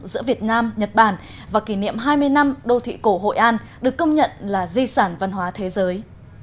giữa việt nam nhật bản và kỷ niệm hai mươi năm đô thị cổ hội an được công nhận là di sản văn hóa thế giới